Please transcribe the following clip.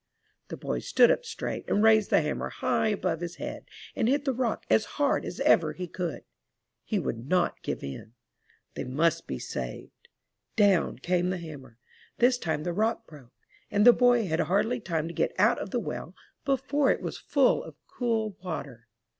The boy stood up straight and raised the hammer high above his head and hit the rock as hard as ever he could. He would not give in. They must be 202 UP ONE PAIR OF STAIRS saved. Down came the hammer. This time the rock broke. And the boy had hardly time to get out of the well before it was full of cool water.